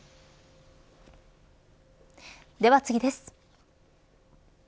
では次です。